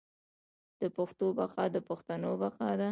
د پښتو بقا د پښتنو بقا ده.